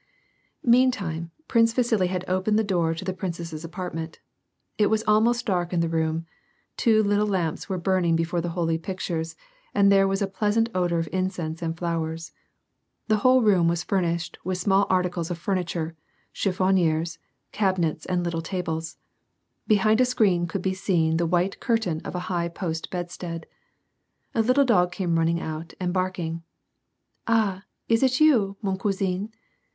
Meantime, Prince Vasili had opened the door into the prin cess's apartment. It was almost dark in the room; two little lamps were burning l)efore the holy pictures, and there was a pleasant f>dor of incense and flowers. The whole room was furnished with small articles of furniture, ohiffoniores, cabinets and lit tle tables. Behind a screen could be sei»n the white curtain of a high post bedstead. A little dog came running out, and terking. " Ah, is it you, mon cmtsin ?